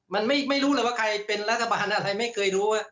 มันไม่รู้เลยว่าใครเป็นรัฐบาลอะไรไม่เคยรู้ว่า